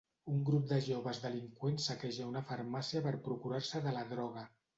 Un grup de joves delinqüents saqueja una farmàcia per procurar-se de la droga.